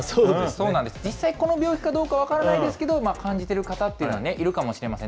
実際、この病気か分からないですけど、感じてる方っていうのはいるかもしれません。